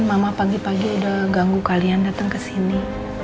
mama pagi pagi udah ganggu kalian dateng kesini